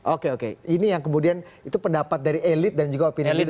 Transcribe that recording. oke oke ini yang kemudian itu pendapat dari elit dan juga opini